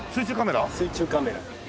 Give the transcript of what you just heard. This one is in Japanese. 水中カメラ。